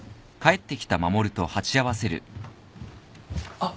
あっ。